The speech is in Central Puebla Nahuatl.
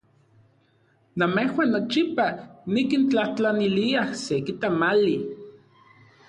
Namejuan nochipa nankintlajtlaniliaj seki tamali.